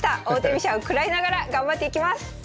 王手飛車を食らいながら頑張っていきます！